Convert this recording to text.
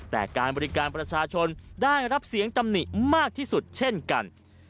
แต่การบริการประชาชนได้รับเสียงตำหนิมากที่สุดเช่นกัน